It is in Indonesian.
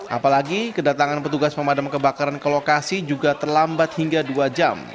apalagi kedatangan petugas pemadam kebakaran ke lokasi juga terlambat hingga dua jam